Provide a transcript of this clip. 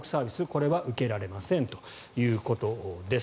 これは受けられませんということです。